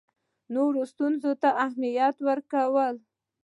د نورو ستونزو ته اهمیت ورکړه.